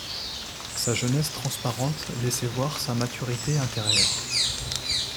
Sa jeunesse transparente laissait voir sa maturité intérieure.